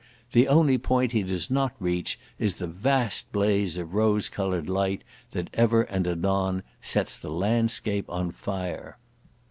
The only point he does not reach is the vast blaze of rose coloured light that ever and anon sets the landscape on fire.